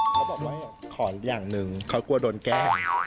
เขาบอกว่าขออย่างหนึ่งเขากลัวโดนแกล้ง